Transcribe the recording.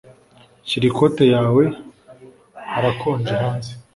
Shyira ikote yawe Harakonje hanze